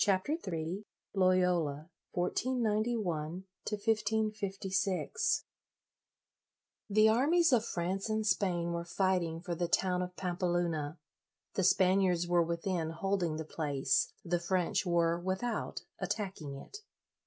IGNATIUS LOYOLA From the Painting by Titian LOYOLA 1491 1556 THE armies of France and Spain were fighting for the town of Pampeluna. The Spaniards were within, holding the place; the French were without, attacking it.